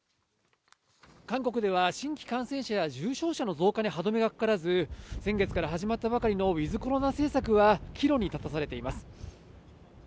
韓国では新規感染者や重症者の増加に歯止めがかからず、先月始まったばかりのｗｉｔｈコロナ政策は岐路に立たされています。